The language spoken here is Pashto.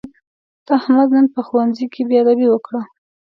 احمد نن په ښوونځي کې بېادبي وکړه.